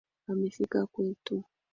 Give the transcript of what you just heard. Amefika kwetu.